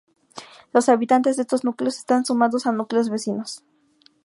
Los habitantes de estos núcleos están sumados a núcleos vecinos.